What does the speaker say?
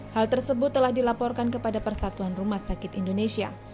hal tersebut telah dilaporkan kepada persatuan rumah sakit indonesia